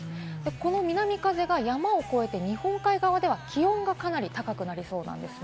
この南風が山を越えて、日本海側では気温がかなり高くなりそうなんです。